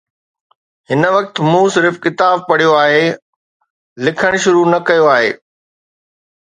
هن وقت مون صرف ڪتاب پڙهيو آهي، لکڻ شروع نه ڪيو آهي.